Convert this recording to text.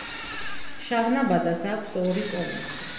შავნაბადას აქვს ორი კონუსი.